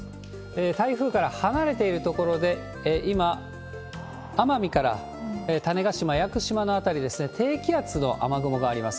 台風から離れている所で、今、奄美から種子島、屋久島の辺り、低気圧の雨雲があります。